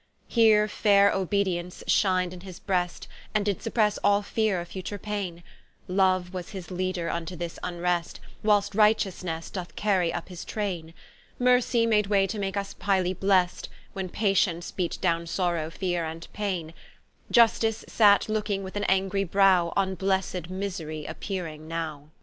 Here faire Obedience shined in his breast, And did suppresse all feare of future paine; Love was his Leader vnto this vnrest, Whil'st Righteousnesse doth carry vp his Traine; Mercy made way to make vs highly blest, When Patience beat downe Sorrow, Feare and Paine: Iustice sate looking with an angry brow, On blessed misery appeering now.